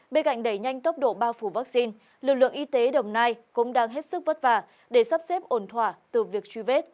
bên cạnh đẩy nhanh tốc độ bao phủ vaccine lực lượng y tế đồng nai cũng đang hết sức vất vả để sắp xếp ổn thỏa từ việc truy vết